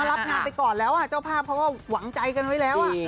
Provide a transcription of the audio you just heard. รับงานไปก่อนแล้วเจ้าภาพเขาก็หวังใจกันไว้แล้ว